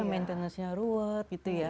maintenance nya ruwet gitu ya